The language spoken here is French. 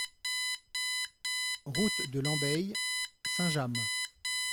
Route de Lembeye, Saint-Jammes